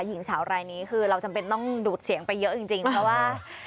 หญิงสาวรายนี้คือเราจำเป็นต้องดูดเสียงไปเยอะจริงเพราะว่า